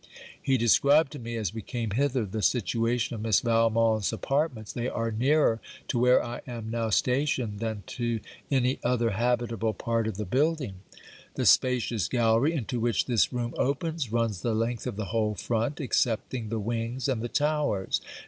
He described to me, as we came hither, the situation of Miss Valmont's apartments. They are nearer to where I am now stationed than to any other habitable part of the building. The spacious gallery into which this room opens, runs the length of the whole front, excepting the wings and the towers.